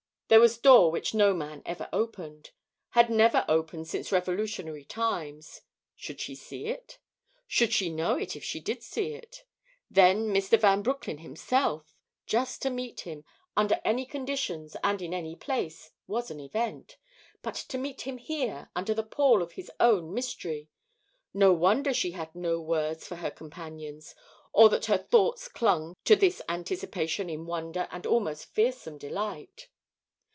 There was door which no man ever opened had never opened since Revolutionary times should she see it? Should she know it if she did see it? Then Mr. Van Broecklyn himself! just to meet him, under any conditions and in any place, was an event. But to meet him here, under the pall of his own mystery! No wonder she had no words for her companions, or that her thoughts clung to this anticipation in wonder and almost fearsome delight.